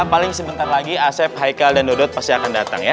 paling sebentar lagi asep haikal dan dodot pasti akan datang ya